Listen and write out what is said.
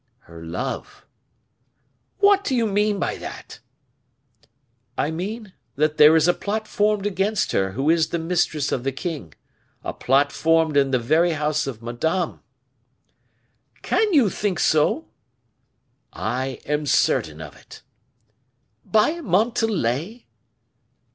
"Her love." "What do you mean by that?" "I mean that there is a plot formed against her who is the mistress of the king a plot formed in the very house of Madame." "Can you think so?" "I am certain of it." "By Montalais?"